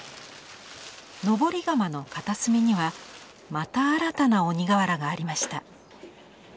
登り窯の片隅にはまた新たな鬼瓦がありました。